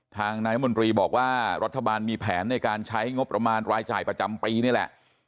นายมนตรีบอกว่ารัฐบาลมีแผนในการใช้งบประมาณรายจ่ายประจำปีนี่แหละ